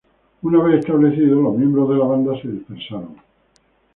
Una vez establecidos, los miembros de la banda se dispersaron.